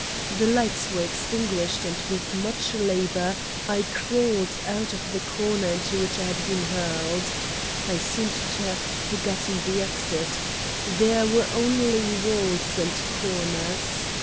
The lights were extin guished and with much labor I crawled out of the corner into which I had been hurled. I seemed to have forgotten the exit. There were only walls and corners.